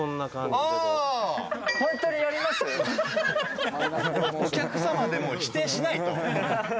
お客様でも否定しないと。